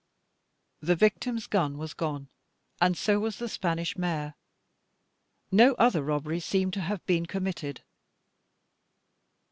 The victim's gun was gone, and so was the Spanish mare: no other robbery seemed to have been committed.